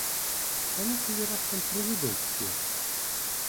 А ну калі раптам прэзідэнцкія?